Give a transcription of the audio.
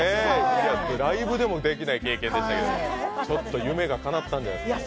ライブでもできない経験でしたけど、ちょっと夢がかなったんじゃないですか？